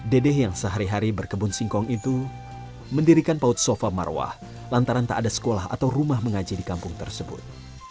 dedeh yang sehari hari berkebun singkong itu mendirikan paut sofa marwah lantaran tak ada sekolah atau rumah mengaji di kampung tersebut